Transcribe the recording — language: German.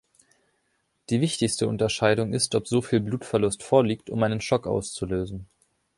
Die wichtigste Unterscheidung ist, ob so viel Blutverlust vorliegt, um einen Schock auszulösen.